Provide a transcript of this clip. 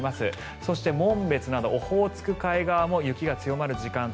そして、紋別などオホーツク海側も雪が強まる時間帯